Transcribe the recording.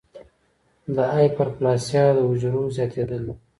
د هایپرپلاسیا د حجرو زیاتېدل دي.